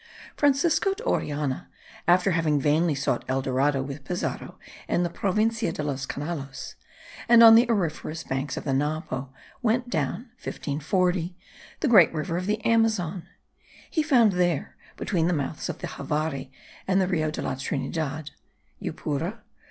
Francisco de Orellana, after having vainly sought El Dorado with Pizarro in the Provincia de los Canelos, and on the auriferous banks of the Napo, went down (1540) the great river of the Amazon. He found there, between the mouths of the Javari and the Rio de la Trinidad (Yupura?)